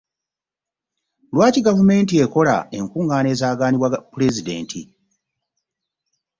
Lwaki gavumenti ekola enkungaana ezaaganibwa pulezidenti?